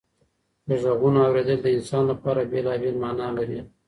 د غږونو اورېدل د انسان لپاره بېلابېل معنی لري.